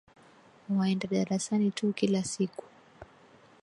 Waenda darasani tu kila siku